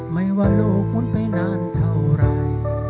ไม่ว่าลูกคุณไปนานเท่าไร